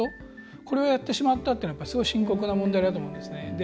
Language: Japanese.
これをやってしまったというのはすごい深刻な問題だと思います。